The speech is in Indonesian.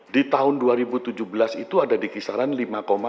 di tahun dua ribu tujuh belas itu ada di kisahnya